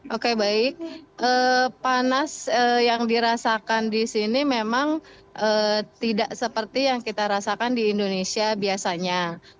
oke baik panas yang dirasakan di sini memang tidak seperti yang kita rasakan di indonesia biasanya